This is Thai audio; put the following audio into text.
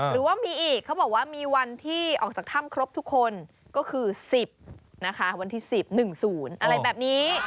หรือว่ามีอีกเขาบอกว่ามีวันที่ออกจากถ้ำครบทุกคนก็คือ๑๐นะคะวันที่๑๐๑๐อะไรแบบนี้